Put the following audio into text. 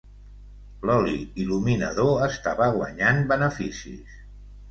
L'oli il·luminador estava guanyant beneficis.